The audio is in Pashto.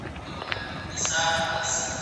زه هره ورځ د سبا لپاره د ليکلو تمرين کوم!!